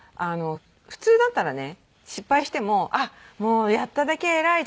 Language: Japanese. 普通だったらね失敗しても「もうやっただけ偉い！